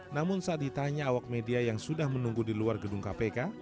namun saat ditanya awak media yang sudah menunggu di luar gedung kpk